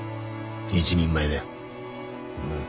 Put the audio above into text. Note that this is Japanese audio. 一人前だよ。